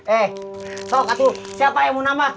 eh sok siapa yang mau nama